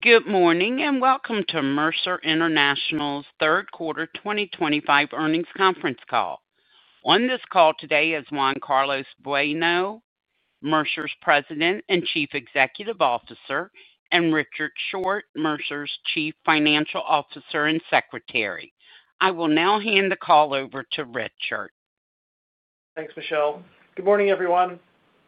Good morning and welcome to Mercer International's third quarter 2025 earnings conference call. On this call today is Juan Carlos Bueno, Mercer's President and Chief Executive Officer, and Richard Short, Mercer's Chief Financial Officer and Secretary. I will now hand the call over to Richard. Thanks, Michelle. Good morning, everyone.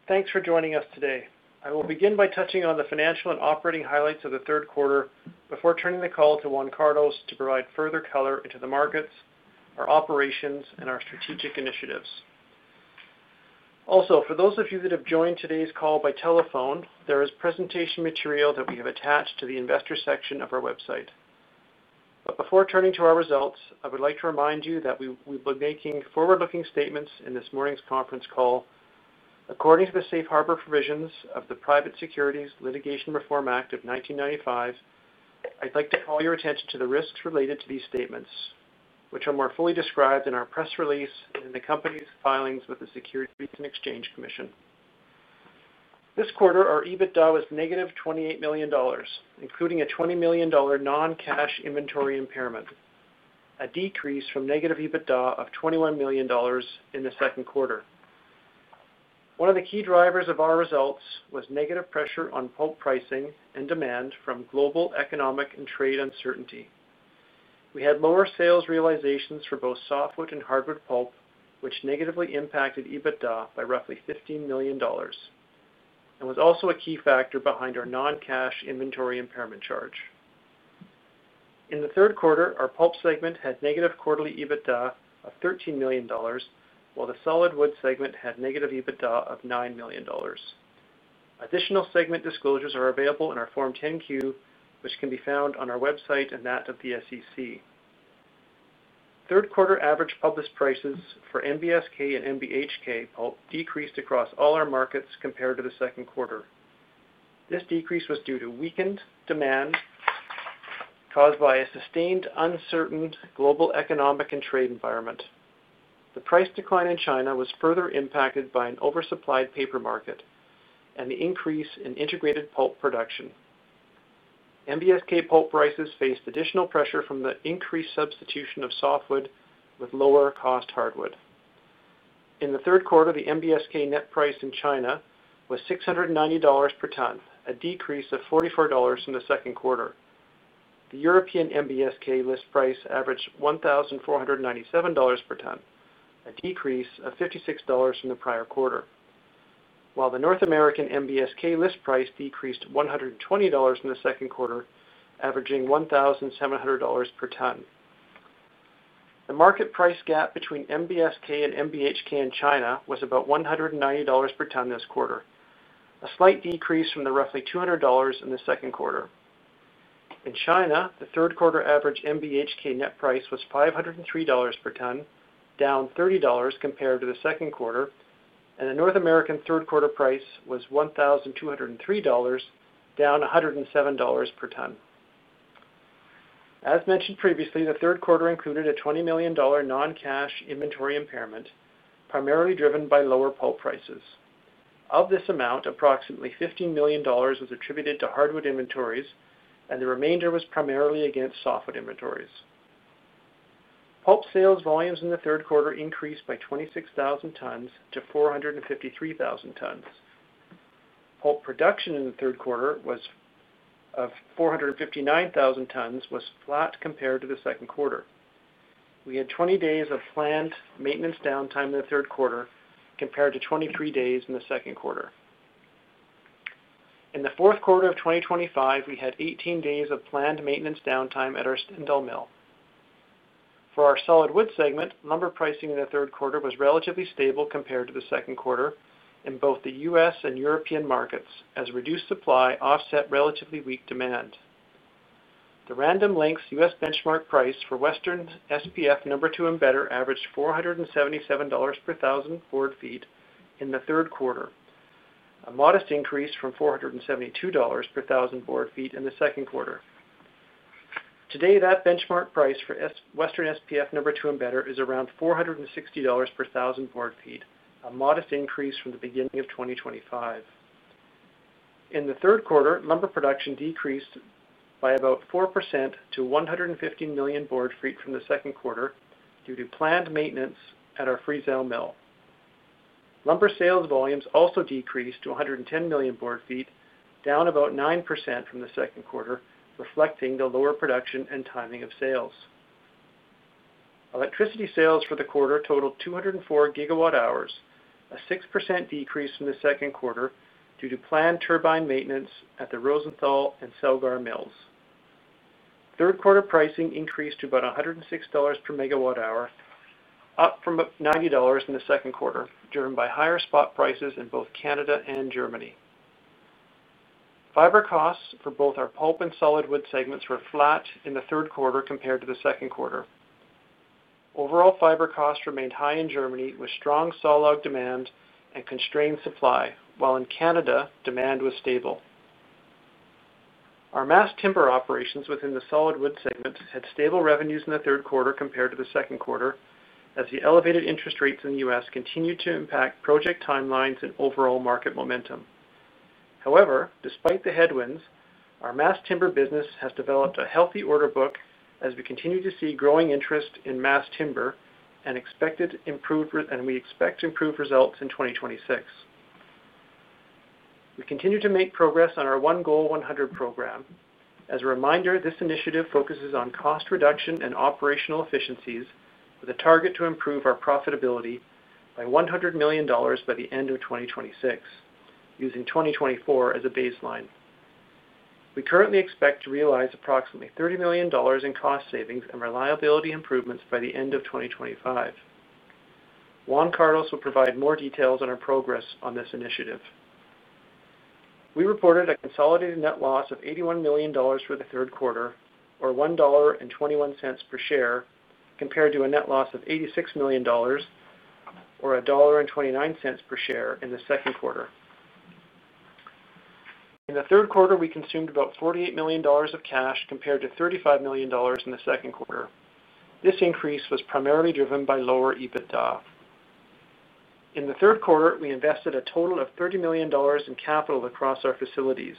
Thanks for joining us today. I will begin by touching on the financial and operating highlights of the third quarter before turning the call to Juan Carlos to provide further color into the markets, our operations, and our strategic initiatives. Also, for those of you that have joined today's call by telephone, there is presentation material that we have attached to the investor section of our website. Before turning to our results, I would like to remind you that we will be making forward-looking statements in this morning's conference call. According to the safe harbor provisions of the Private Securities Litigation Reform Act of 1995, I'd like to call your attention to the risks related to these statements, which are more fully described in our press release and in the company's filings with the Securities and Exchange Commission. This quarter, our EBITDA was negative $28 million, including a $20 million non-cash inventory impairment, a decrease from negative EBITDA of $21 million in the second quarter. One of the key drivers of our results was negative pressure on pulp pricing and demand from global economic and trade uncertainty. We had lower sales realizations for both softwood and hardwood pulp, which negatively impacted EBITDA by roughly $15 million, and was also a key factor behind our non-cash inventory impairment charge. In the third quarter, our pulp segment had negative quarterly EBITDA of $13 million, while the solid wood segment had negative EBITDA of $9 million. Additional segment disclosures are available in our Form 10Q, which can be found on our website and that of the U.S. Securities and Exchange Commission. Third quarter average published prices for MBSK and MBHK pulp decreased across all our markets compared to the second quarter. This decrease was due to weakened demand caused by a sustained uncertain global economic and trade environment. The price decline in China was further impacted by an oversupplied paper market and the increase in integrated pulp production. MBSK pulp prices faced additional pressure from the increased substitution of softwood with lower-cost hardwood. In the third quarter, the MBSK net price in China was $690 per ton, a decrease of $44 from the second quarter. The European MBSK list price averaged $1,497 per ton, a decrease of $56 from the prior quarter, while the North American MBSK list price decreased to $120 from the second quarter, averaging $1,700 per ton. The market price gap between MBSK and MBHK in China was about $190 per ton this quarter, a slight decrease from the roughly $200 in the second quarter. In China, the third quarter average MBHK net price was $503 per ton, down $30 compared to the second quarter, and the North American third quarter price was $1,203, down $107 per ton. As mentioned previously, the third quarter included a $20 million non-cash inventory impairment, primarily driven by lower pulp prices. Of this amount, approximately $15 million was attributed to hardwood inventories, and the remainder was primarily against softwood inventories. Pulp sales volumes in the third quarter increased by 26,000 tons to 453,000 tons. Pulp production in the third quarter of 459,000 tons was flat compared to the second quarter. We had 20 days of planned maintenance downtime in the third quarter compared to 23 days in the second quarter. In the fourth quarter of 2025, we had 18 days of planned maintenance downtime at our Stendal Mill. For our solid wood segment, lumber pricing in the third quarter was relatively stable compared to the second quarter in both the U.S. and European markets, as reduced supply offset relatively weak demand. The Random Lengths U.S. benchmark price for Western SPF No. 2 Stud averaged $477 per 1,000 board feet in the third quarter, a modest increase from $472 per 1,000 board feet in the second quarter. Today, that benchmark price for Western SPF No. 2 Stud is around $460 per 1,000 board feet, a modest increase from the beginning of 2023. In the third quarter, lumber production decreased by about 4% to 150 million board feet from the second quarter due to planned maintenance at our Friesau Mill. Lumber sales volumes also decreased to 110 million board feet, down about 9% from the second quarter, reflecting the lower production and timing of sales. Electricity sales for the quarter totaled 204 GWh, a 6% decrease from the second quarter due to planned turbine maintenance at the Rosenthal and Celgar mills. Third quarter pricing increased to about $106 per megawatt hour, up from $90 in the second quarter, driven by higher spot prices in both Canada and Germany. Fiber costs for both our pulp and solid wood segments were flat in the third quarter compared to the second quarter. Overall, fiber costs remained high in Germany with strong saw log demand and constrained supply, while in Canada, demand was stable. Our mass timber operations within the solid wood segment had stable revenues in the third quarter compared to the second quarter, as the elevated interest rates in the U.S. continued to impact project timelines and overall market momentum. However, despite the headwinds, our mass timber business has developed a healthy order book as we continue to see growing interest in mass timber and expect improved results in 2026. We continue to make progress on our One Goal 100 program. As a reminder, this initiative focuses on cost reduction and operational efficiencies, with a target to improve our profitability by $100 million by the end of 2026, using 2024 as a baseline. We currently expect to realize approximately $30 million in cost savings and reliability improvements by the end of 2025. Juan Carlos will provide more details on our progress on this initiative. We reported a consolidated net loss of $81 million for the third quarter, or $1.21 per share, compared to a net loss of $86 million, or $1.29 per share, in the second quarter. In the third quarter, we consumed about $48 million of cash compared to $35 million in the second quarter. This increase was primarily driven by lower EBITDA. In the third quarter, we invested a total of $30 million in capital across our facilities.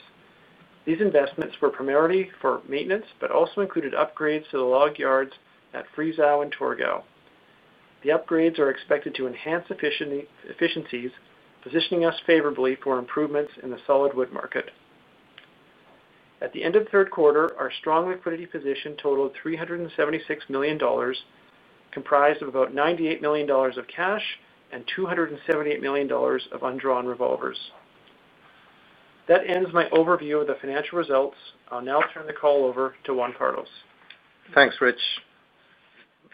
These investments were primarily for maintenance but also included upgrades to the log yards at Friesau and Torgau. The upgrades are expected to enhance efficiencies, positioning us favorably for improvements in the solid wood market. At the end of the third quarter, our strong liquidity position totaled $376 million, comprised of about $98 million of cash and $278 million of undrawn revolvers. That ends my overview of the financial results. I'll now turn the call over to Juan Carlos. Thanks, Rich.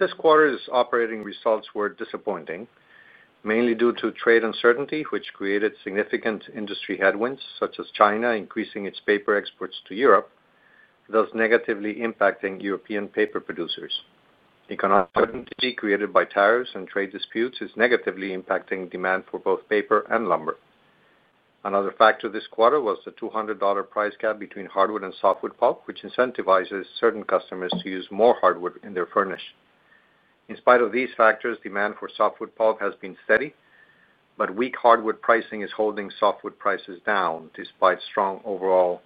This quarter's operating results were disappointing, mainly due to trade uncertainty, which created significant industry headwinds, such as China increasing its paper exports to Europe, thus negatively impacting European paper producers. Economic uncertainty created by tariffs and trade disputes is negatively impacting demand for both paper and lumber. Another factor this quarter was the $200 price gap between hardwood and softwood pulp, which incentivizes certain customers to use more hardwood in their furnish. In spite of these factors, demand for softwood pulp has been steady, but weak hardwood pricing is holding softwood prices down despite strong overall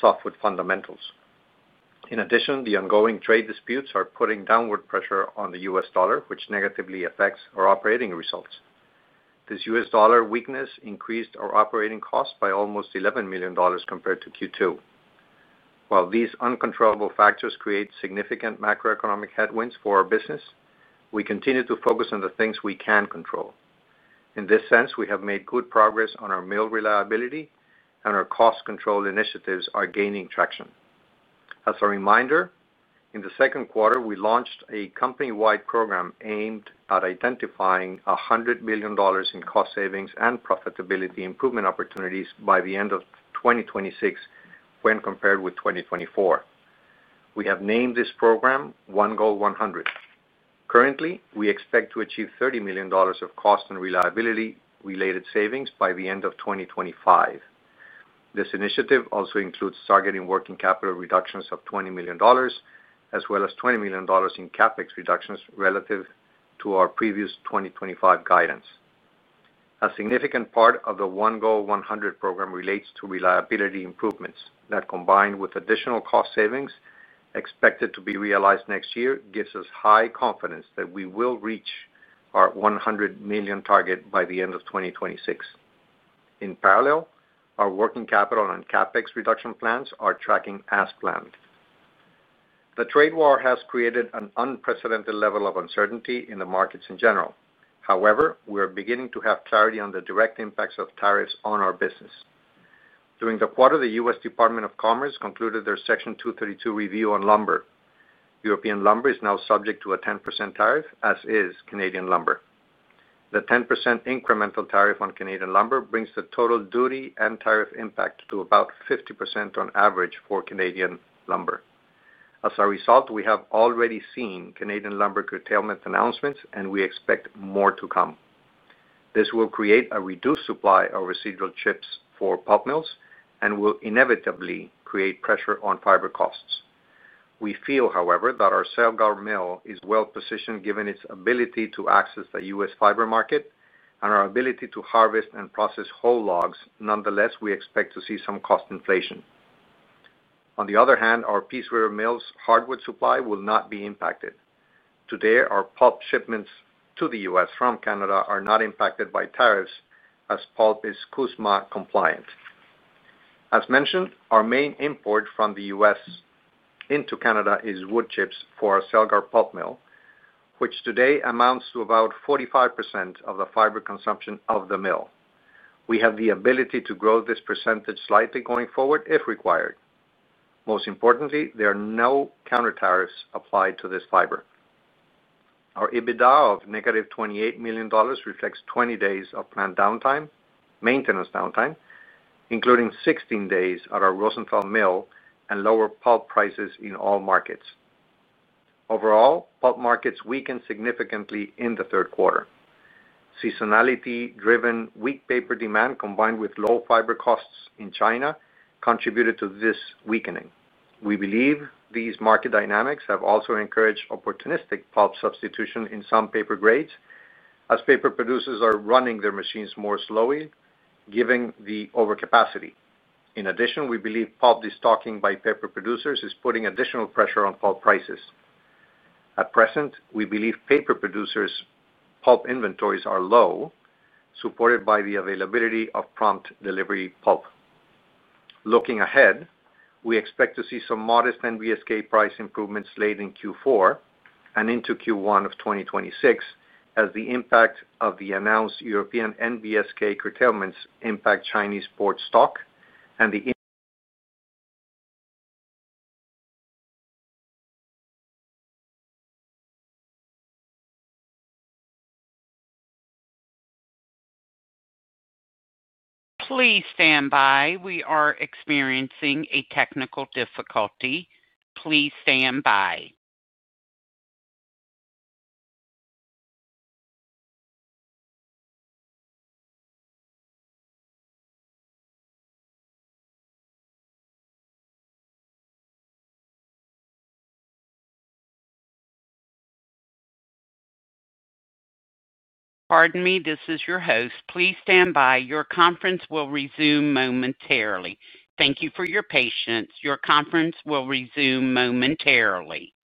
softwood fundamentals. In addition, the ongoing trade disputes are putting downward pressure on the U.S. dollar, which negatively affects our operating results. This U.S. dollar weakness increased our operating costs by almost $11 million compared to Q2. While these uncontrollable factors create significant macroeconomic headwinds for our business, we continue to focus on the things we can control. In this sense, we have made good progress on our mill reliability, and our cost control initiatives are gaining traction. As a reminder, in the second quarter, we launched a company-wide program aimed at identifying $100 million in cost savings and profitability improvement opportunities by the end of 2026 when compared with 2024. We have named this program One Goal 100. Currently, we expect to achieve $30 million of cost and reliability-related savings by the end of 2025. This initiative also includes targeting working capital reductions of $20 million, as well as $20 million in CapEx reductions relative to our previous 2025 guidance. A significant part of the One Goal 100 program relates to reliability improvements that, combined with additional cost savings expected to be realized next year, gives us high confidence that we will reach our $100 million target by the end of 2026. In parallel, our working capital and CapEx reduction plans are tracking as planned. The trade war has created an unprecedented level of uncertainty in the markets in general. However, we are beginning to have clarity on the direct impacts of tariffs on our business. During the quarter, the U.S. Department of Commerce concluded their Section 232 review on lumber. European lumber is now subject to a 10% tariff, as is Canadian lumber. The 10% incremental tariff on Canadian lumber brings the total duty and tariff impact to about 50% on average for Canadian lumber. As a result, we have already seen Canadian lumber curtailment announcements, and we expect more to come. This will create a reduced supply of residual chips for pulp mills and will inevitably create pressure on fiber costs. We feel, however, that our Celgar Mill is well-positioned given its ability to access the U.S. fiber market and our ability to harvest and process whole logs. Nonetheless, we expect to see some cost inflation. On the other hand, our Peace River Mill's hardwood supply will not be impacted. Today, our pulp shipments to the U.S. from Canada are not impacted by tariffs, as pulp is CUSMA compliant. As mentioned, our main import from the U.S. into Canada is wood chips for our Celgar Pulp Mill, which today amounts to about 45% of the fiber consumption of the mill. We have the ability to grow this percentage slightly going forward if required. Most importantly, there are no countertariffs applied to this fiber. Our EBITDA of negative $28 million reflects 20 days of planned maintenance downtime, including 16 days at our Rosenthal Mill, and lower pulp prices in all markets. Overall, pulp markets weakened significantly in the third quarter. Seasonality-driven weak paper demand, combined with low fiber costs in China, contributed to this weakening. We believe these market dynamics have also encouraged opportunistic pulp substitution in some paper grades, as paper producers are running their machines more slowly, given the overcapacity. In addition, we believe pulp destocking by paper producers is putting additional pressure on pulp prices. At present, we believe paper producers' pulp inventories are low, supported by the availability of prompt delivery pulp. Looking ahead, we expect to see some modest NBSK price improvements late in Q4 and into Q1 of 2026, as the impact of the announced European NBSK curtailments impacts Chinese port stock and the. Please stand by. We are experiencing a technical difficulty. Please stand by. Pardon me, this is your host. Please stand by. Your conference will resume momentarily. Thank you for your patience. Your conference will resume momentarily.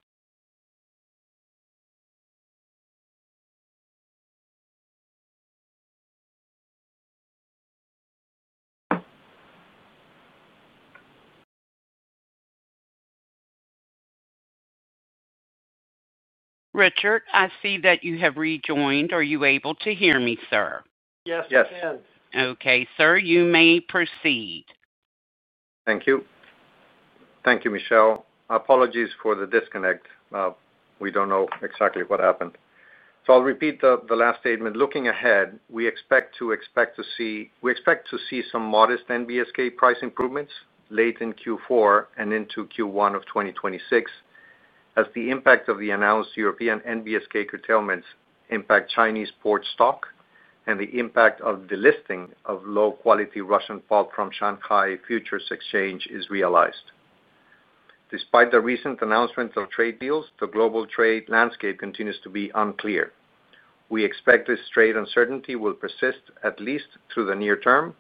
Richard, I see that you have rejoined. Are you able to hear me, sir? Yes, I can. Yes. Okay, sir, you may proceed. Thank you. Thank you, Michelle. Apologies for the disconnect. We do not know exactly what happened. I will repeat the last statement. Looking ahead, we expect to see some modest NBSK price improvements late in Q4 and into Q1 of 2026, as the impact of the announced European NBSK curtailments impacts Chinese port stock and the impact of delisting of low-quality Russian pulp from Shanghai Futures Exchange is realized. Despite the recent announcements of trade deals, the global trade landscape continues to be unclear. We expect this trade uncertainty will persist at least through the near term,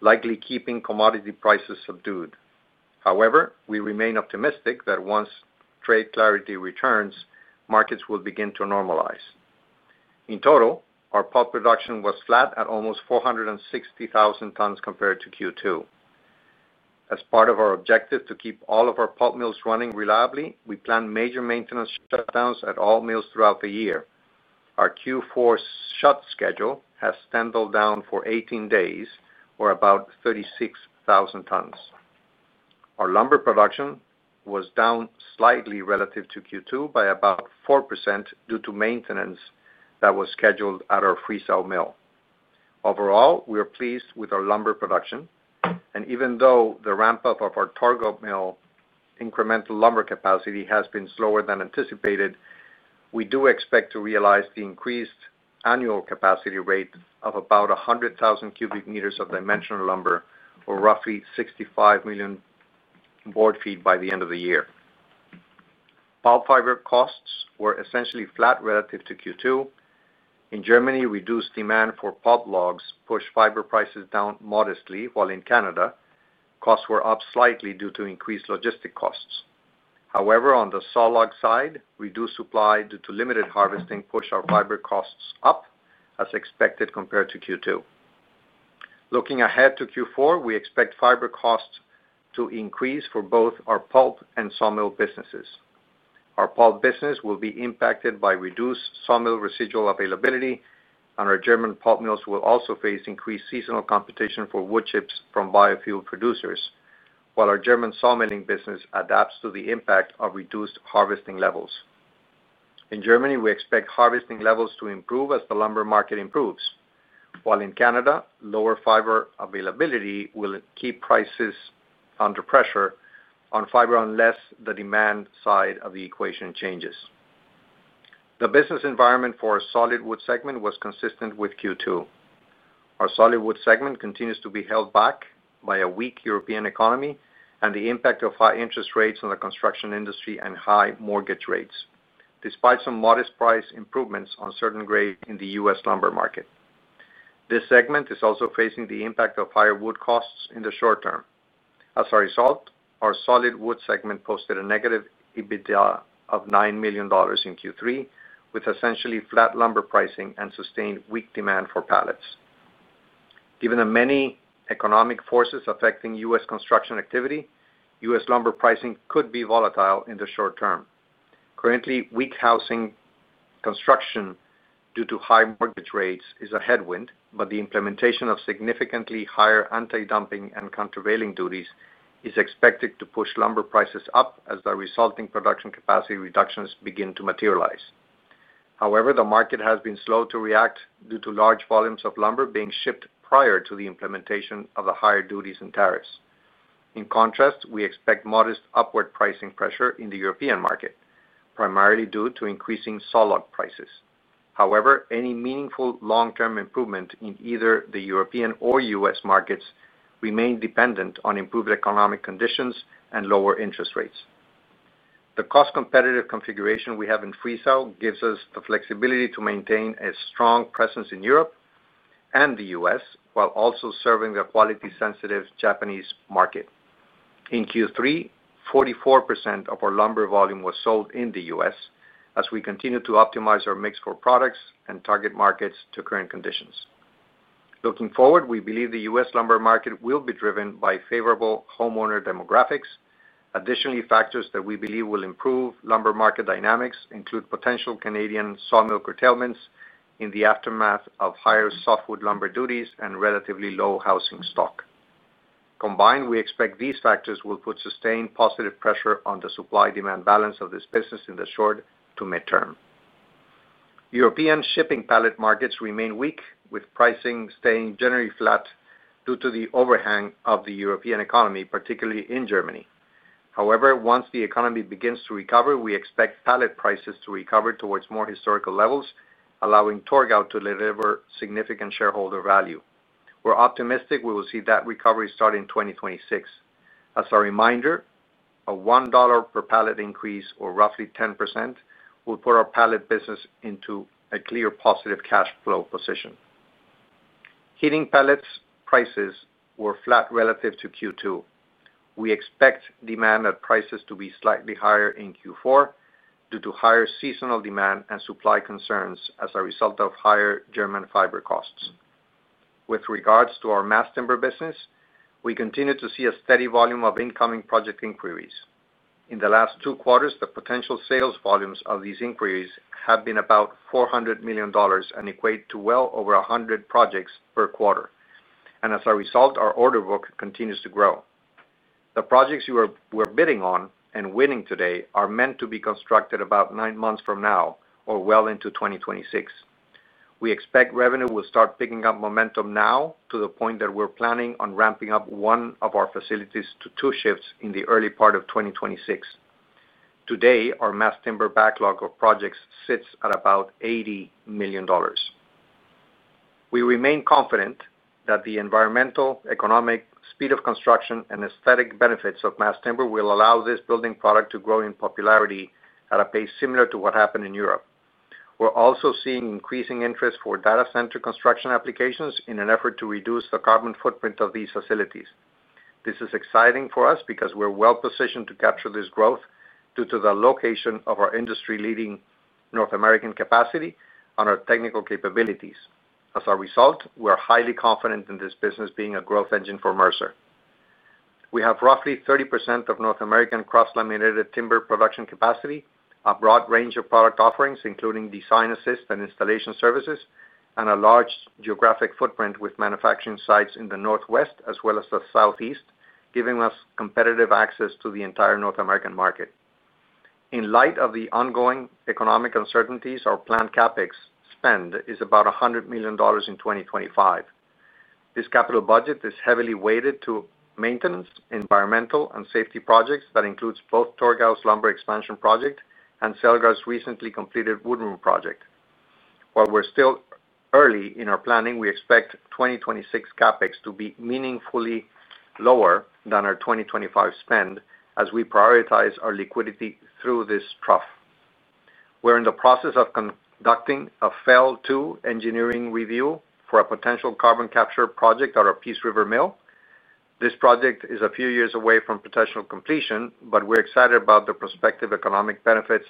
likely keeping commodity prices subdued. However, we remain optimistic that once trade clarity returns, markets will begin to normalize. In total, our pulp production was flat at almost 460,000 tons compared to Q2. As part of our objective to keep all of our pulp mills running reliably, we plan major maintenance shutdowns at all mills throughout the year. Our Q4 shut schedule has stumbled down for 18 days, or about 36,000 tons. Our lumber production was down slightly relative to Q2 by about 4% due to maintenance that was scheduled at our Friesau Mill. Overall, we are pleased with our lumber production, and even though the ramp-up of our Torgau Mill incremental lumber capacity has been slower than anticipated, we do expect to realize the increased annual capacity rate of about 100,000 cubic meters of dimensional lumber, or roughly 65 million board feet, by the end of the year. Pulp fiber costs were essentially flat relative to Q2. In Germany, reduced demand for pulp logs pushed fiber prices down modestly, while in Canada, costs were up slightly due to increased logistic costs. However, on the saw log side, reduced supply due to limited harvesting pushed our fiber costs up, as expected compared to Q2. Looking ahead to Q4, we expect fiber costs to increase for both our pulp and saw mill businesses. Our pulp business will be impacted by reduced saw mill residual availability, and our German pulp mills will also face increased seasonal competition for wood chips from biofuel producers, while our German saw milling business adapts to the impact of reduced harvesting levels. In Germany, we expect harvesting levels to improve as the lumber market improves, while in Canada, lower fiber availability will keep prices under pressure on fiber unless the demand side of the equation changes. The business environment for our solid wood segment was consistent with Q2. Our solid wood segment continues to be held back by a weak European economy and the impact of high interest rates on the construction industry and high mortgage rates, despite some modest price improvements on certain grades in the U.S. lumber market. This segment is also facing the impact of higher wood costs in the short term. As a result, our solid wood segment posted a negative EBITDA of $9 million in Q3, with essentially flat lumber pricing and sustained weak demand for pallets. Given the many economic forces affecting U.S. construction activity, U.S. lumber pricing could be volatile in the short term. Currently, weak housing construction due to high mortgage rates is a headwind, but the implementation of significantly higher anti-dumping and countervailing duties is expected to push lumber prices up as the resulting production capacity reductions begin to materialize. However, the market has been slow to react due to large volumes of lumber being shipped prior to the implementation of the higher duties and tariffs. In contrast, we expect modest upward pricing pressure in the European market, primarily due to increasing saw log prices. However, any meaningful long-term improvement in either the European or U.S. markets remains dependent on improved economic conditions and lower interest rates. The cost-competitive configuration we have in Friesau gives us the flexibility to maintain a strong presence in Europe and the U.S., while also serving the quality-sensitive Japanese market. In Q3, 44% of our lumber volume was sold in the U.S., as we continue to optimize our mix for products and target markets to current conditions. Looking forward, we believe the U.S. lumber market will be driven by favorable homeowner demographics. Additionally, factors that we believe will improve lumber market dynamics include potential Canadian sawmill curtailments in the aftermath of higher softwood lumber duties and relatively low housing stock. Combined, we expect these factors will put sustained positive pressure on the supply-demand balance of this business in the short to midterm. European shipping pallet markets remain weak, with pricing staying generally flat due to the overhang of the European economy, particularly in Germany. However, once the economy begins to recover, we expect pallet prices to recover towards more historical levels, allowing Torgau to deliver significant shareholder value. We're optimistic we will see that recovery start in 2026. As a reminder, a $1 per pallet increase, or roughly 10%, will put our pallet business into a clear positive cash flow position. Heating pallet prices were flat relative to Q2. We expect demand and prices to be slightly higher in Q4 due to higher seasonal demand and supply concerns as a result of higher German fiber costs. With regards to our mass timber business, we continue to see a steady volume of incoming project inquiries. In the last two quarters, the potential sales volumes of these inquiries have been about $400 million and equate to well over 100 projects per quarter, and as a result, our order book continues to grow. The projects we are bidding on and winning today are meant to be constructed about nine months from now or well into 2026. We expect revenue will start picking up momentum now to the point that we are planning on ramping up one of our facilities to two shifts in the early part of 2026. Today, our mass timber backlog of projects sits at about $80 million. We remain confident that the environmental, economic, speed of construction, and aesthetic benefits of mass timber will allow this building product to grow in popularity at a pace similar to what happened in Europe. We're also seeing increasing interest for data center construction applications in an effort to reduce the carbon footprint of these facilities. This is exciting for us because we're well-positioned to capture this growth due to the location of our industry-leading North American capacity and our technical capabilities. As a result, we're highly confident in this business being a growth engine for Mercer. We have roughly 30% of North American cross-laminated timber production capacity, a broad range of product offerings, including design assist and installation services, and a large geographic footprint with manufacturing sites in the northwest as well as the southeast, giving us competitive access to the entire North American market. In light of the ongoing economic uncertainties, our planned CapEx spend is about $100 million in 2025. This capital budget is heavily weighted to maintenance, environmental, and safety projects that include both Torgau's lumber expansion project and Celgar's recently completed wood room project. While we're still early in our planning, we expect 2026 CapEx to be meaningfully lower than our 2025 spend as we prioritize our liquidity through this trough. We're in the process of conducting a FEL2 engineering review for a potential carbon capture project at our Peace River Mill. This project is a few years away from potential completion, but we're excited about the prospective economic benefits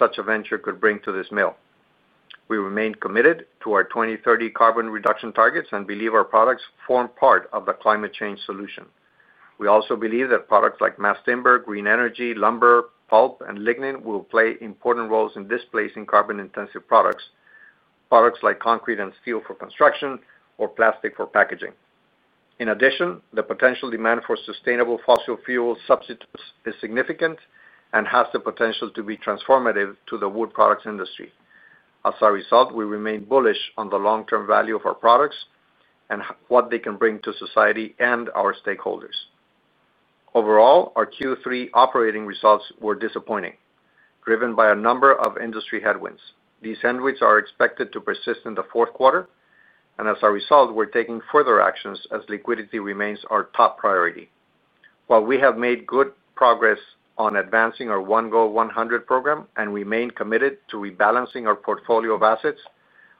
such a venture could bring to this mill. We remain committed to our 2030 carbon reduction targets and believe our products form part of the climate change solution. We also believe that products like mass timber, green energy, lumber, pulp, and lignin will play important roles in displacing carbon-intensive products, products like concrete and steel for construction or plastic for packaging. In addition, the potential demand for sustainable fossil fuel substitutes is significant and has the potential to be transformative to the wood products industry. As a result, we remain bullish on the long-term value of our products and what they can bring to society and our stakeholders. Overall, our Q3 operating results were disappointing, driven by a number of industry headwinds. These headwinds are expected to persist in the fourth quarter, and as a result, we're taking further actions as liquidity remains our top priority. While we have made good progress on advancing our One Goal 100 program and remain committed to rebalancing our portfolio of assets,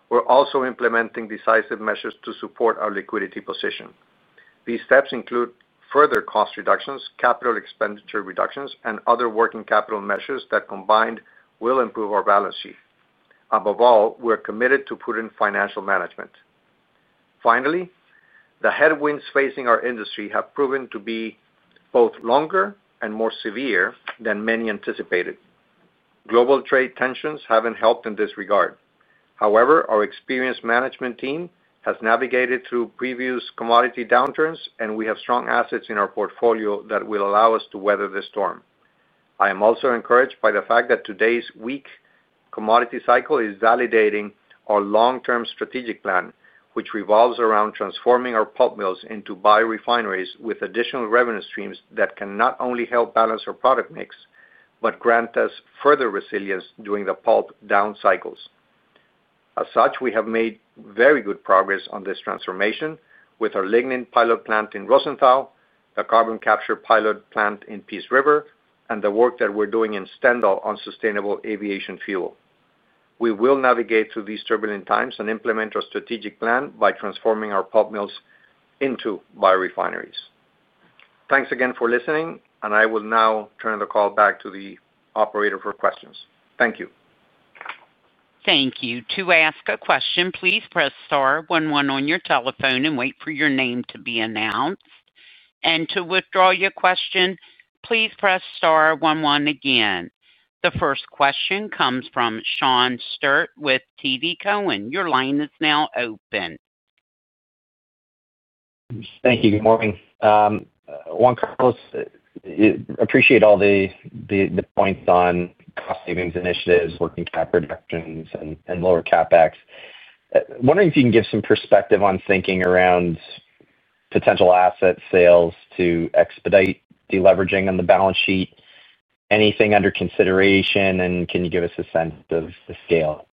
we're also implementing decisive measures to support our liquidity position. These steps include further cost reductions, capital expenditure reductions, and other working capital measures that combined will improve our balance sheet. Above all, we're committed to prudent financial management. Finally, the headwinds facing our industry have proven to be both longer and more severe than many anticipated. Global trade tensions have not helped in this regard. However, our experienced management team has navigated through previous commodity downturns, and we have strong assets in our portfolio that will allow us to weather this storm. I am also encouraged by the fact that today's weak commodity cycle is validating our long-term strategic plan, which revolves around transforming our pulp mills into biorefineries with additional revenue streams that can not only help balance our product mix but grant us further resilience during the pulp down cycles. As such, we have made very good progress on this transformation with our lignin pilot plant in Rosenthal, the carbon capture pilot plant in Peace River, and the work that we're doing in Stendal on sustainable aviation fuel. We will navigate through these turbulent times and implement our strategic plan by transforming our pulp mills into biorefineries. Thanks again for listening, and I will now turn the call back to the operator for questions. Thank you. Thank you. To ask a question, please press star one one on your telephone and wait for your name to be announced. To withdraw your question, please press star one one again. The first question comes from Sean Steuart with TD Cowen. Your line is now open. Thank you. Good morning. Juan Carlos, I appreciate all the points on cost savings initiatives, working cap reductions, and lower CapEx. I'm wondering if you can give some perspective on thinking around potential asset sales to expedite deleveraging on the balance sheet. Anything under consideration, and can you give us a sense of the scale?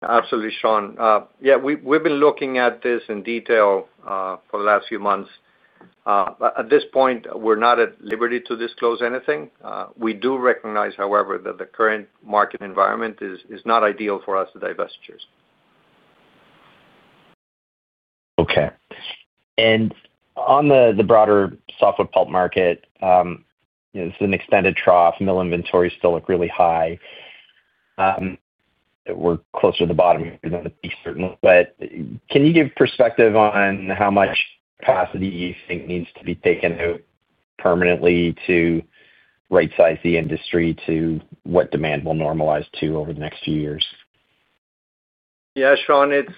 Absolutely, Sean. Yeah, we've been looking at this in detail for the last few months. At this point, we're not at liberty to disclose anything. We do recognize, however, that the current market environment is not ideal for us to divest yours. Okay. On the broader softwood pulp market, this is an extended trough. Mill inventories still look really high. We're close to the bottom here in the East, certainly. Can you give perspective on how much capacity you think needs to be taken out permanently to right-size the industry to what demand will normalize to over the next few years? Yeah, Sean, it's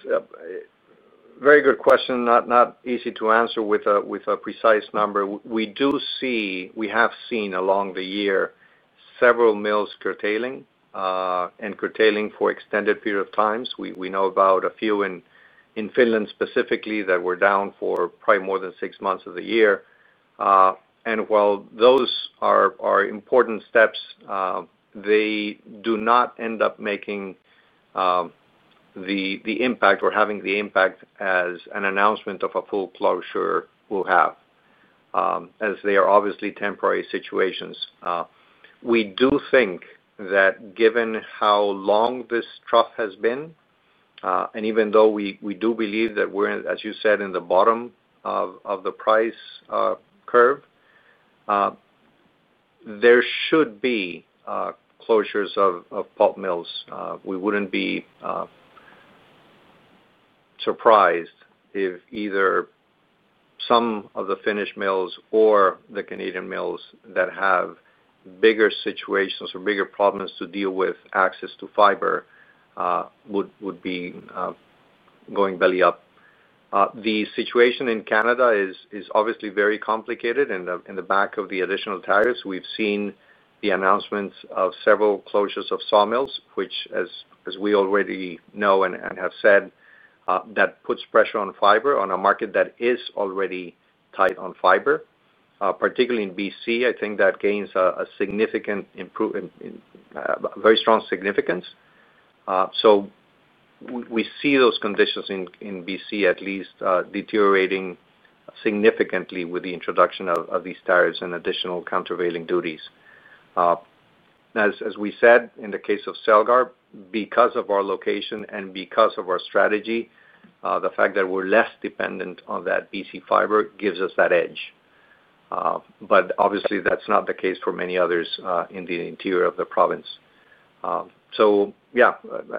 a very good question, not easy to answer with a precise number. We have seen along the year several mills curtailing and curtailing for extended period of times. We know about a few in Finland specifically that were down for probably more than six months of the year. While those are important steps, they do not end up making the impact or having the impact as an announcement of a full closure will have, as they are obviously temporary situations. We do think that given how long this trough has been, and even though we do believe that we're, as you said, in the bottom of the price curve, there should be closures of pulp mills. We would not be surprised if either some of the Finnish mills or the Canadian mills that have bigger situations or bigger problems to deal with access to fiber would be going belly up. The situation in Canada is obviously very complicated. In the back of the additional tariffs, we have seen the announcements of several closures of sawmills, which, as we already know and have said, that puts pressure on fiber on a market that is already tight on fiber, particularly in British Columbia. I think that gains a significant improvement, very strong significance. We see those conditions in British Columbia at least deteriorating significantly with the introduction of these tariffs and additional countervailing duties. As we said, in the case of Celgar, because of our location and because of our strategy, the fact that we are less dependent on that British Columbia fiber gives us that edge. Obviously, that's not the case for many others in the interior of the province. Yeah,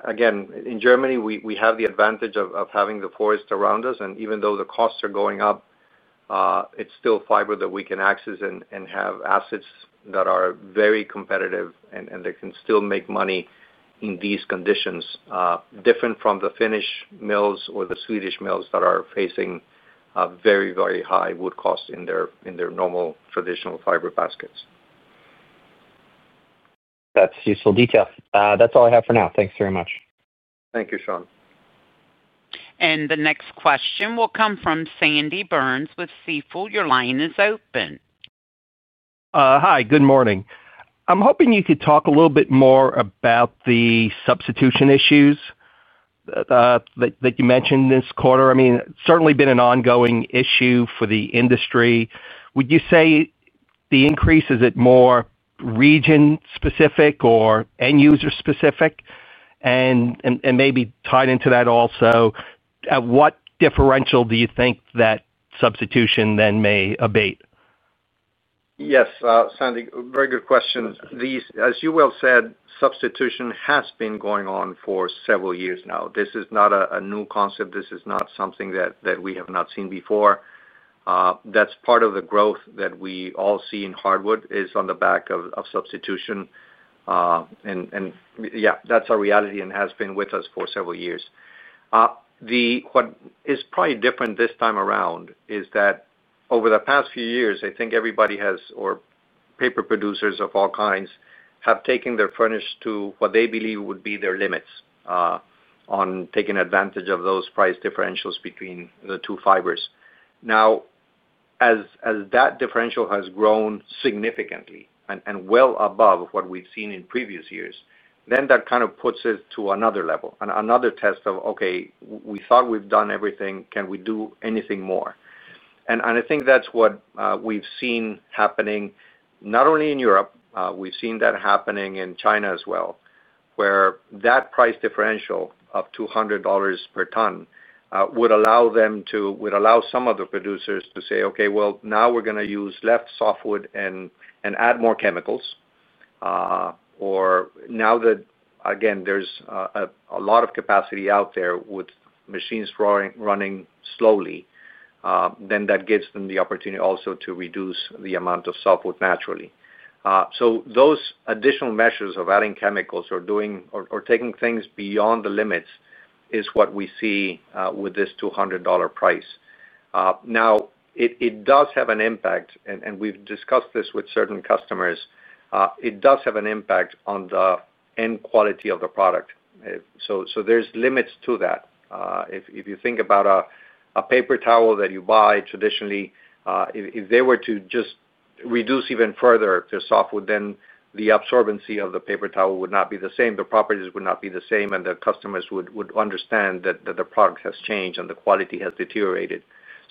again, in Germany, we have the advantage of having the forest around us. Even though the costs are going up, it's still fiber that we can access and have assets that are very competitive, and they can still make money in these conditions, different from the Finnish mills or the Swedish mills that are facing very, very high wood costs in their normal traditional fiber baskets. That's useful detail. That's all I have for now. Thanks very much. Thank you, Sean. The next question will come from Sandy Burns with Stifel. Your line is open. Hi, good morning. I'm hoping you could talk a little bit more about the substitution issues that you mentioned this quarter. I mean, it's certainly been an ongoing issue for the industry. Would you say the increase is more region-specific or end-user-specific? Maybe tied into that also, at what differential do you think that substitution then may abate? Yes, Sandy, very good question. As you well said, substitution has been going on for several years now. This is not a new concept. This is not something that we have not seen before. That is part of the growth that we all see in hardwood is on the back of substitution. Yeah, that is our reality and has been with us for several years. What is probably different this time around is that over the past few years, I think everybody has, or paper producers of all kinds, have taken their furnish to what they believe would be their limits on taking advantage of those price differentials between the two fibers. Now, as that differential has grown significantly and well above what we've seen in previous years, that kind of puts it to another level and another test of, okay, we thought we've done everything. Can we do anything more? I think that's what we've seen happening, not only in Europe. We've seen that happening in China as well, where that price differential of $200 per ton would allow them to, would allow some of the producers to say, okay, now we're going to use less softwood and add more chemicals. Or now that, again, there's a lot of capacity out there with machines running slowly, that gives them the opportunity also to reduce the amount of softwood naturally. Those additional measures of adding chemicals or taking things beyond the limits is what we see with this $200 price. Now, it does have an impact, and we've discussed this with certain customers. It does have an impact on the end quality of the product. There are limits to that. If you think about a paper towel that you buy traditionally, if they were to just reduce even further their softwood, then the absorbency of the paper towel would not be the same. The properties would not be the same, and the customers would understand that the product has changed and the quality has deteriorated.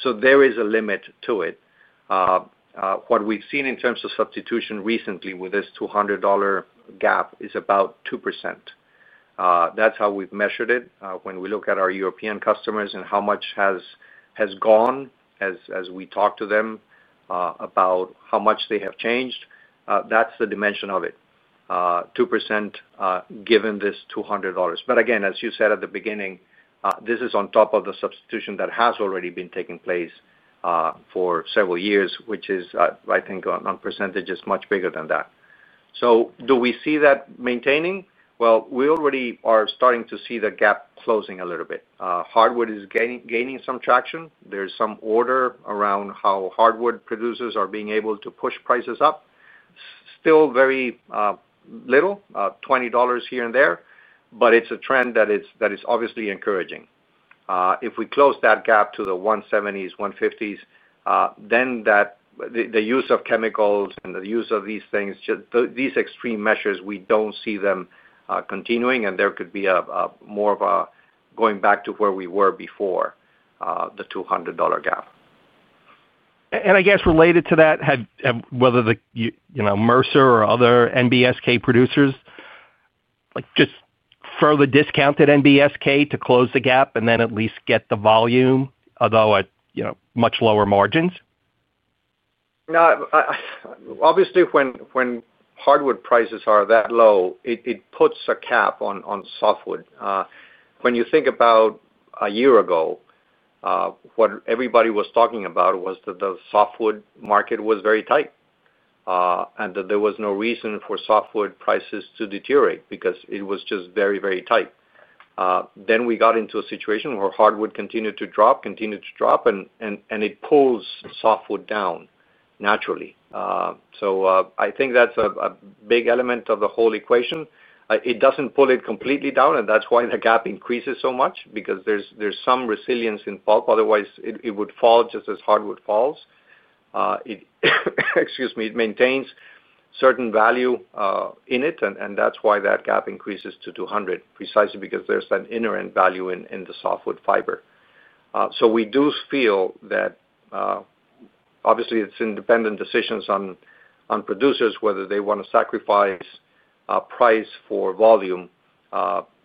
There is a limit to it. What we've seen in terms of substitution recently with this $200 gap is about 2%. That's how we've measured it. When we look at our European customers and how much has gone as we talk to them about how much they have changed, that's the dimension of it, 2% given this $200. Again, as you said at the beginning, this is on top of the substitution that has already been taking place for several years, which is, I think, on percentages much bigger than that. Do we see that maintaining? We already are starting to see the gap closing a little bit. Hardwood is gaining some traction. There is some order around how hardwood producers are being able to push prices up. Still very little, $20 here and there, but it is a trend that is obviously encouraging. If we close that gap to the 170s-150s, then the use of chemicals and the use of these things, these extreme measures, we do not see them continuing, and there could be more of a going back to where we were before the $200 gap. I guess related to that, whether Mercer or other NBSK producers just further discounted NBSK to close the gap and then at least get the volume, although at much lower margins? Obviously, when hardwood prices are that low, it puts a cap on softwood. When you think about a year ago, what everybody was talking about was that the softwood market was very tight and that there was no reason for softwood prices to deteriorate because it was just very, very tight. We got into a situation where hardwood continued to drop, continued to drop, and it pulls softwood down naturally. I think that's a big element of the whole equation. It does not pull it completely down, and that's why the gap increases so much, because there is some resilience in pulp. Otherwise, it would fall just as hardwood falls. Excuse me, it maintains certain value in it, and that's why that gap increases to 200, precisely because there's that inherent value in the softwood fiber. We do feel that obviously it's independent decisions on producers whether they want to sacrifice price for volume.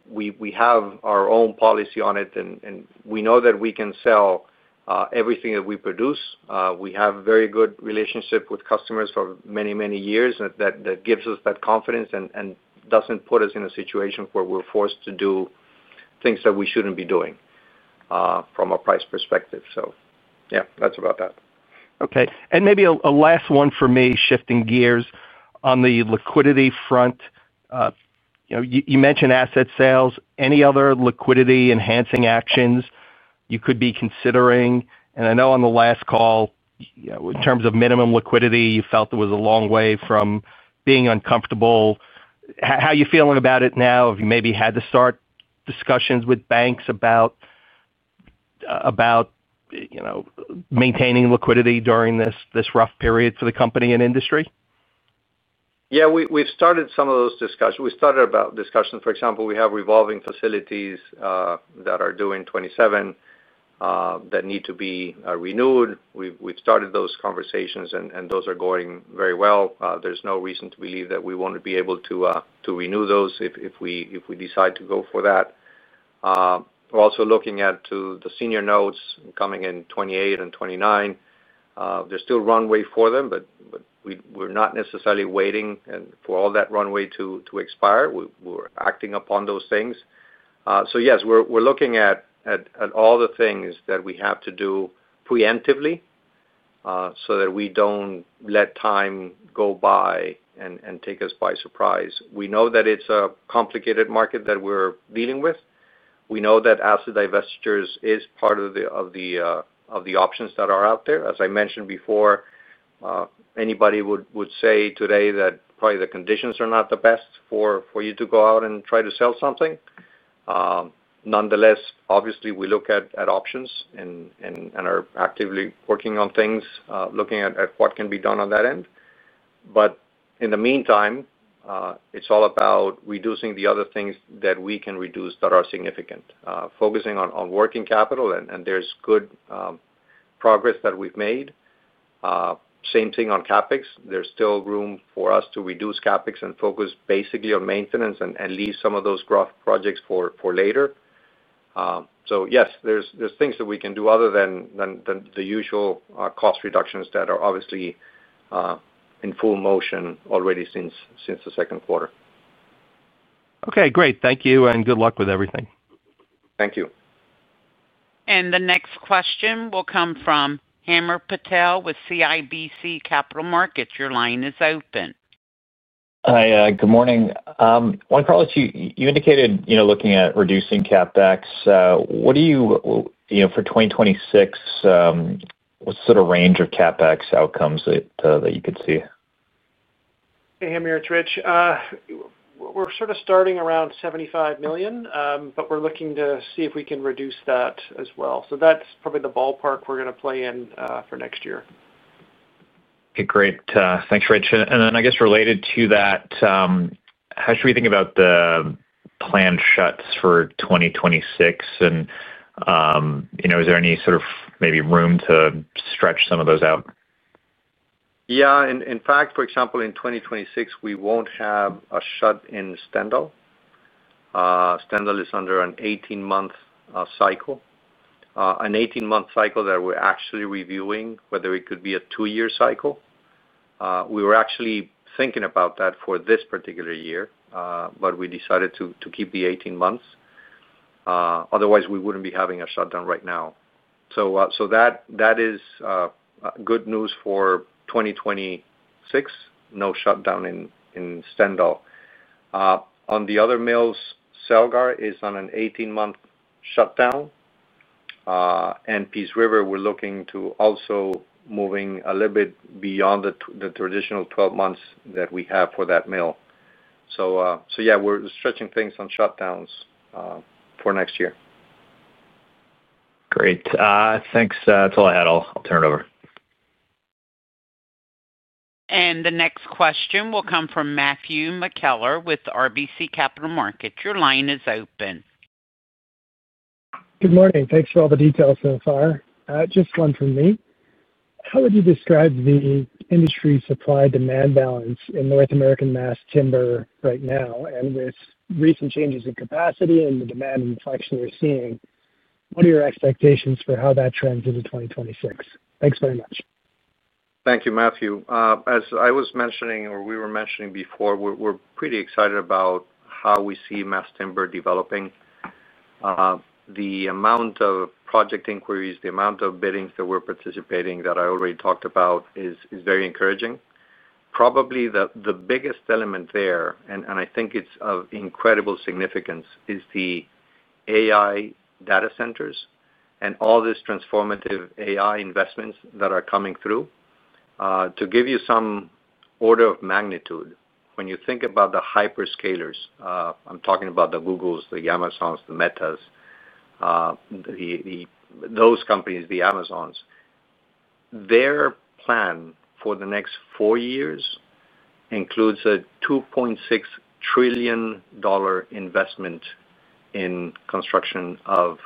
We have our own policy on it, and we know that we can sell everything that we produce. We have a very good relationship with customers for many, many years that gives us that confidence and doesn't put us in a situation where we're forced to do things that we shouldn't be doing from a price perspective. Yeah, that's about that. Okay. Maybe a last one for me, shifting gears on the liquidity front. You mentioned asset sales. Any other liquidity-enhancing actions you could be considering? I know on the last call, in terms of minimum liquidity, you felt there was a long way from being uncomfortable. How are you feeling about it now? Have you maybe had to start discussions with banks about maintaining liquidity during this rough period for the company and industry? Yeah, we've started some of those discussions. For example, we have revolving facilities that are due in 2027 that need to be renewed. We've started those conversations, and those are going very well. There's no reason to believe that we won't be able to renew those if we decide to go for that. We're also looking at the senior notes coming in 2028 and 2029. There's still runway for them, but we're not necessarily waiting for all that runway to expire. We're acting upon those things. Yes, we're looking at all the things that we have to do preemptively so that we don't let time go by and take us by surprise. We know that it's a complicated market that we're dealing with. We know that asset divestitures is part of the options that are out there. As I mentioned before, anybody would say today that probably the conditions are not the best for you to go out and try to sell something. Nonetheless, obviously, we look at options and are actively working on things, looking at what can be done on that end. In the meantime, it's all about reducing the other things that we can reduce that are significant, focusing on working capital. There's good progress that we've made. Same thing on CapEx. There's still room for us to reduce CapEx and focus basically on maintenance and leave some of those growth projects for later. Yes, there's things that we can do other than the usual cost reductions that are obviously in full motion already since the second quarter. Okay, great. Thank you and good luck with everything. Thank you. The next question will come from Hamir Patel with CIBC Capital Markets. Your line is open. Hi, good morning. Juan Carlos, you indicated looking at reducing CapEx. What do you for 2026, what's the range of CapEx outcomes that you could see? Hey, Hamir. It's Rich. We're sort of starting around $75 million, but we're looking to see if we can reduce that as well. That's probably the ballpark we're going to play in for next year. Okay, great. Thanks, Rich. I guess related to that, how should we think about the planned shuts for 2026? Is there any sort of maybe room to stretch some of those out? Yeah. In fact, for example, in 2026, we will not have a shut in Stendal. Stendal is under an 18-month cycle, an 18-month cycle that we are actually reviewing, whether it could be a two-year cycle. We were actually thinking about that for this particular year, but we decided to keep the 18 months. Otherwise, we would not be having a shutdown right now. That is good news for 2026, no shutdown in Stendal. On the other mills, Celgar is on an 18-month shutdown. Peace River, we are looking to also moving a little bit beyond the traditional 12 months that we have for that mill. We are stretching things on shutdowns for next year. Great. Thanks. That's all I had. I'll turn it over. The next question will come from Matthew McKeller with RBC Capital Markets. Your line is open. Good morning. Thanks for all the details so far. Just one from me. How would you describe the industry supply-demand balance in North American mass timber right now? With recent changes in capacity and the demand inflection we're seeing, what are your expectations for how that trends into 2026? Thanks very much. Thank you, Matthew. As I was mentioning, or we were mentioning before, we're pretty excited about how we see mass timber developing. The amount of project inquiries, the amount of biddings that we're participating that I already talked about is very encouraging. Probably the biggest element there, and I think it's of incredible significance, is the AI data centers and all these transformative AI investments that are coming through. To give you some order of magnitude, when you think about the hyperscalers, I'm talking about the Googles, the Amazons, the Metas, those companies, the Amazons, their plan for the next four years includes a $2.6 trillion investment in construction of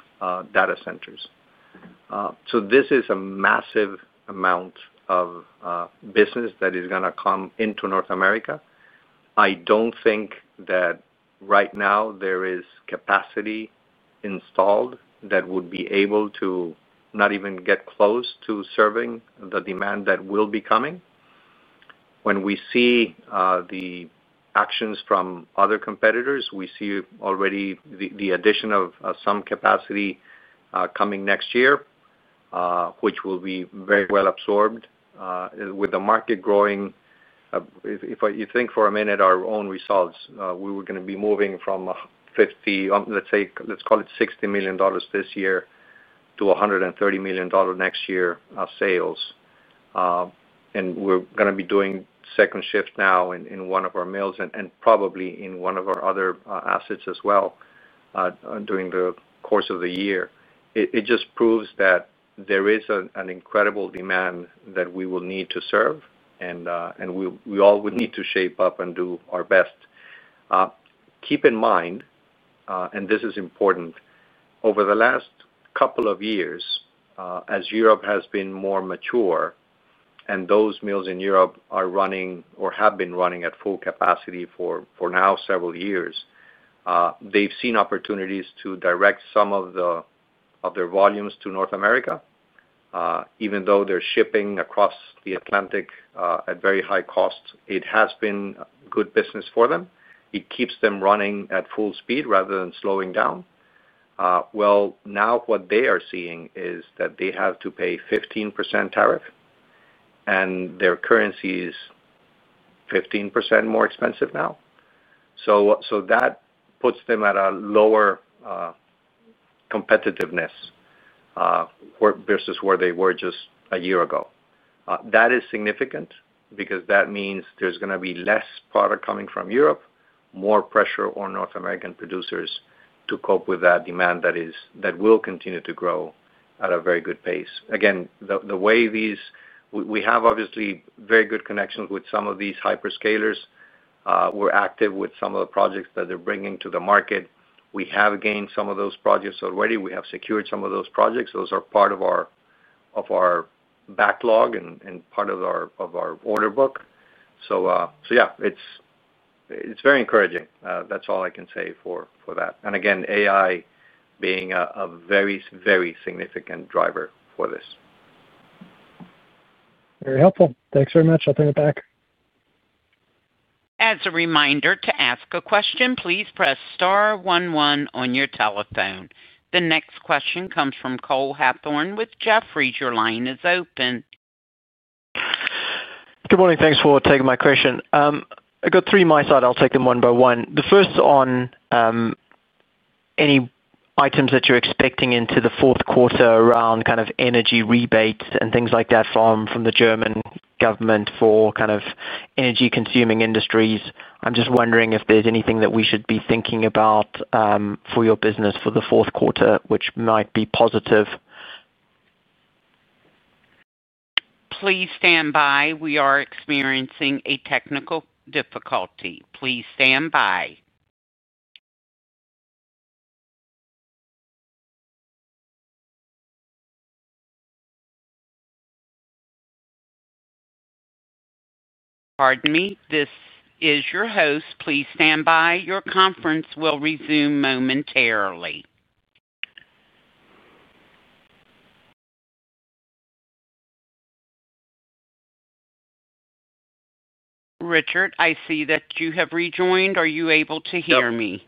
data centers. This is a massive amount of business that is going to come into North America. I do not think that right now there is capacity installed that would be able to not even get close to serving the demand that will be coming. When we see the actions from other competitors, we see already the addition of some capacity coming next year, which will be very well absorbed with the market growing. If you think for a minute our own results, we were going to be moving from a 50, let's call it $60 million this year to $130 million next year of sales. We are going to be doing second shift now in one of our mills and probably in one of our other assets as well during the course of the year. It just proves that there is an incredible demand that we will need to serve, and we all would need to shape up and do our best. Keep in mind, and this is important, over the last couple of years, as Europe has been more mature and those mills in Europe are running or have been running at full capacity for now several years, they have seen opportunities to direct some of their volumes to North America. Even though they are shipping across the Atlantic at very high cost, it has been good business for them. It keeps them running at full speed rather than slowing down. Now what they are seeing is that they have to pay 15% tariff, and their currency is 15% more expensive now. That puts them at a lower competitiveness versus where they were just a year ago. That is significant because that means there's going to be less product coming from Europe, more pressure on North American producers to cope with that demand that will continue to grow at a very good pace. Again, the way these, we have obviously very good connections with some of these hyperscalers. We're active with some of the projects that they're bringing to the market. We have gained some of those projects already. We have secured some of those projects. Those are part of our backlog and part of our order book. Yeah, it's very encouraging. That's all I can say for that. AI being a very, very significant driver for this. Very helpful. Thanks very much. I'll turn it back. As a reminder to ask a question, please press star one one on your telephone. The next question comes from Cole Hathorn with Jefferies. Your line is open. Good morning. Thanks for taking my question. I've got three on my side. I'll take them one by one. The first on any items that you're expecting into the fourth quarter around kind of energy rebates and things like that from the German government for kind of energy-consuming industries. I'm just wondering if there's anything that we should be thinking about for your business for the fourth quarter, which might be positive. Please stand by. We are experiencing a technical difficulty. Please stand by. Pardon me. This is your host. Please stand by. Your conference will resume momentarily. Richard, I see that you have rejoined. Are you able to hear me?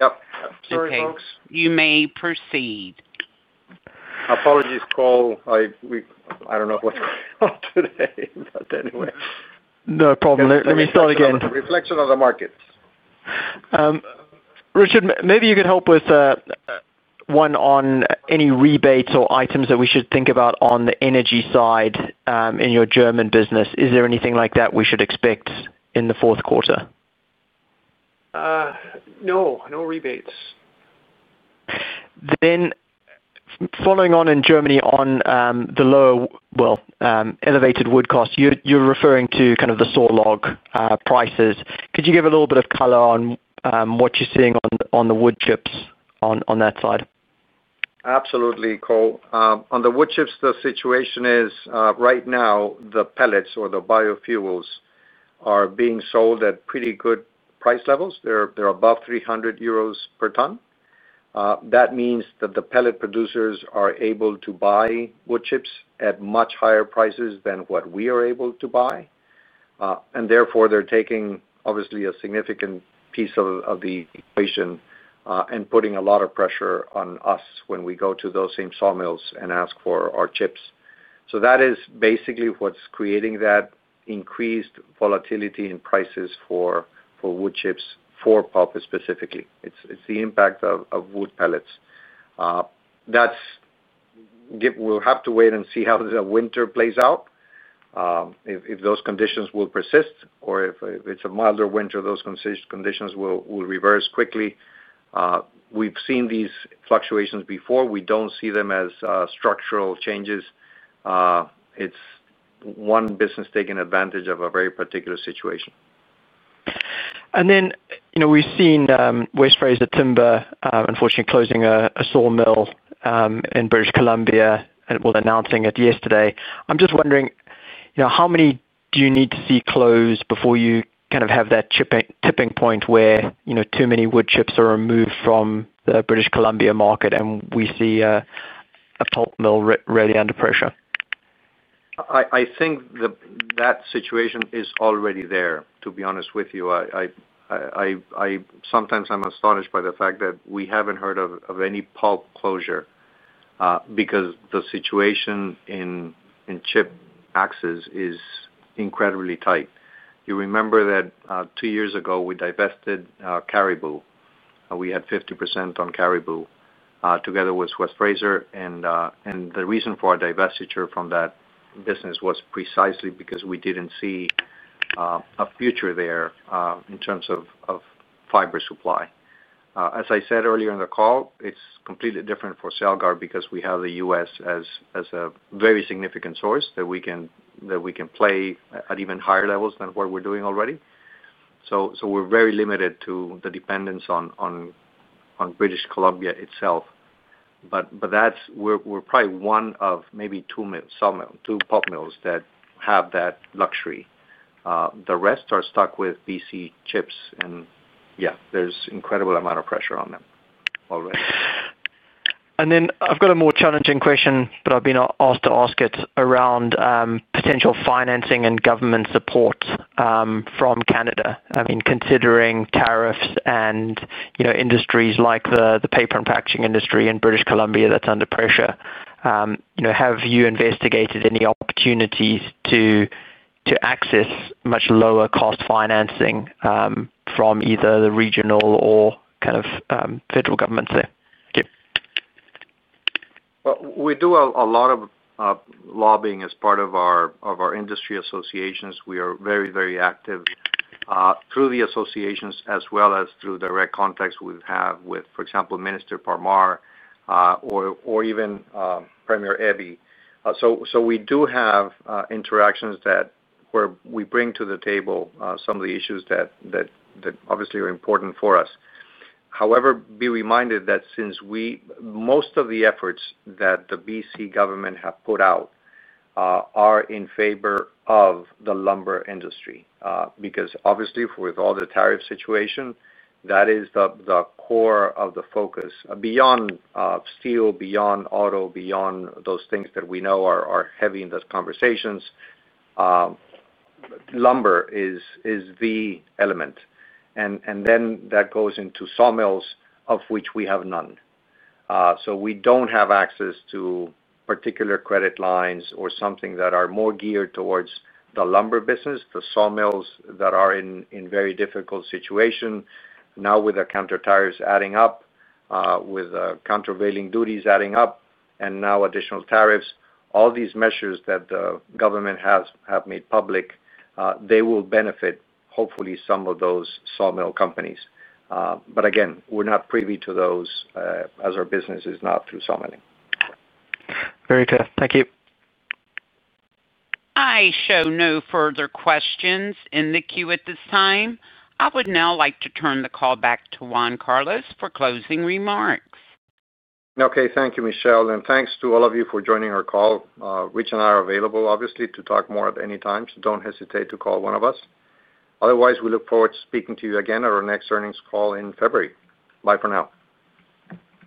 Yep. Sorry, folks. Okay. You may proceed. Apologies, Cole. I do not know what is going on today, but anyway. No problem. Let me start again. Reflection on the markets. Richard, maybe you could help with one on any rebates or items that we should think about on the energy side in your German business. Is there anything like that we should expect in the fourth quarter? No. No rebates. Following on in Germany on the low, well, elevated wood costs, you are referring to kind of the saw log prices. Could you give a little bit of color on what you are seeing on the wood chips on that side? Absolutely, Cole. On the wood chips, the situation is right now the pellets or the biofuels are being sold at pretty good price levels. They're above 300 euros per ton. That means that the pellet producers are able to buy wood chips at much higher prices than what we are able to buy. Therefore, they're taking obviously a significant piece of the equation and putting a lot of pressure on us when we go to those same saw mills and ask for our chips. That is basically what's creating that increased volatility in prices for wood chips for pulp specifically. It's the impact of wood pellets. We'll have to wait and see how the winter plays out. If those conditions will persist or if it's a milder winter, those conditions will reverse quickly. We've seen these fluctuations before. We don't see them as structural changes. It's one business taking advantage of a very particular situation. We have seen West Fraser Timber, unfortunately, closing a sawmill in British Columbia and were announcing it yesterday. I'm just wondering, how many do you need to see closed before you kind of have that tipping point where too many wood chips are removed from the British Columbia market and we see a pulp mill really under pressure? I think that situation is already there, to be honest with you. Sometimes I'm astonished by the fact that we haven't heard of any pulp closure because the situation in chip access is incredibly tight. You remember that two years ago we divested Caribou. We had 50% on Caribou together with West Fraser. And the reason for our divestiture from that business was precisely because we didn't see a future there in terms of fiber supply. As I said earlier in the call, it's completely different for Celgar because we have the U.S. as a very significant source that we can play at even higher levels than what we're doing already. We are very limited to the dependence on British Columbia itself. We are probably one of maybe two pulp mills that have that luxury. The rest are stuck with BC chips. Yeah, there's an incredible amount of pressure on them already. I've got a more challenging question, but I've been asked to ask it around potential financing and government support from Canada. I mean, considering tariffs and industries like the paper and packaging industry in British Columbia that's under pressure, have you investigated any opportunities to access much lower-cost financing from either the regional or kind of federal governments there? We do a lot of lobbying as part of our industry associations. We are very, very active through the associations as well as through direct contacts we have with, for example, Minister Parmar or even Premier Eby. We do have interactions where we bring to the table some of the issues that obviously are important for us. However, be reminded that since most of the efforts that the BC government have put out are in favor of the lumber industry because obviously, with all the tariff situation, that is the core of the focus beyond steel, beyond auto, beyond those things that we know are heavy in those conversations. Lumber is the element. That goes into saw mills, of which we have none. We do not have access to particular credit lines or something that are more geared towards the lumber business, the saw mills that are in very difficult situations. Now with the countertariffs adding up, with countervailing duties adding up, and now additional tariffs, all these measures that the government has made public, they will benefit, hopefully, some of those saw mill companies. Again, we're not privy to those as our business is not through saw milling. Very clear. Thank you. I show no further questions in the queue at this time. I would now like to turn the call back to Juan Carlos for closing remarks. Okay. Thank you, Michelle. And thanks to all of you for joining our call. Richard and I are available, obviously, to talk more at any time. Do not hesitate to call one of us. Otherwise, we look forward to speaking to you again at our next earnings call in February. Bye for now.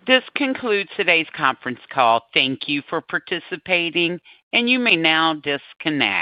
This concludes today's conference call. Thank you for participating, and you may now disconnect.